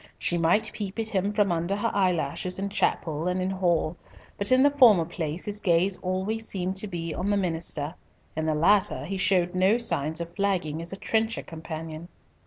She might peep at him from under her eyelashes in chapel and in hall; but in the former place his gaze always seemed to be on the minister, in the latter he showed no signs of flagging as a trencher companion.